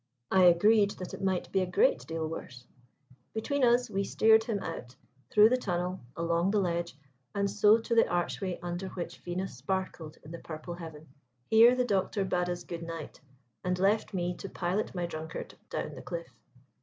I agreed that it might be a great deal worse. Between us we steered him out, through the tunnel, along the ledge, and so to the archway under which Venus sparkled in the purple heaven. Here the Doctor bade us good night, and left me to pilot my drunkard down the cliff.